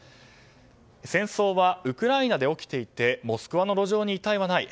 戦争はウクライナで起きていてモスクワの路上に遺体はない。